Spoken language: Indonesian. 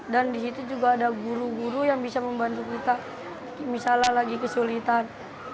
dan di situ juga ada guru guru yang bisa membantu kita misalnya lagi kesulitan